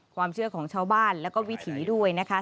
ความเชื่อของชาวบ้านแล้วก็วิถีด้วยนะคะ